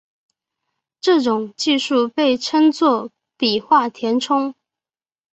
这种技术被称作笔画填充。